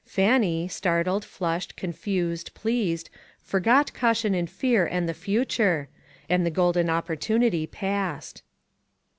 Fannie, startled, flushed, confused, pleased, forgot caution and fear, and the future. And the golden opportunity passed.